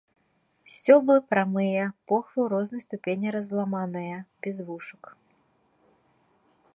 Сцёблы прамыя, похвы ў рознай ступені разламаныя, без вушак.